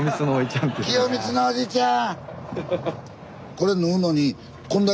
清光のおいちゃん。